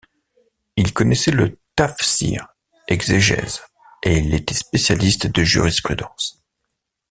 Il connaissait le tafsir –Exégèse– et il était spécialiste de jurisprudence.